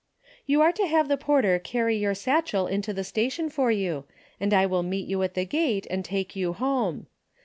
"You are to have the porter carry your satchel into the station for you, and I will meet you at the gate and take you home.